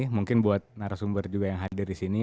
mungkin buat narasumber yang hadir disini